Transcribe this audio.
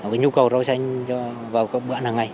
cái nhu cầu rau xanh vào các bữa ăn hàng ngày